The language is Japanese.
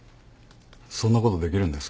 そんなことできるんですか？